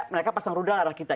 mereka pasang rudal darah kita